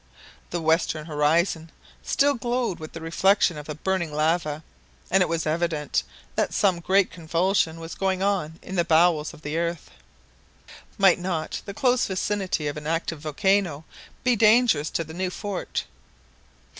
The western horizon still glowed with the reflection of the burning lava, and it was evident that some great convulsion was going on in the bowels of the earth. Might not the close vicinity of an active volcano be dangerous to the new fort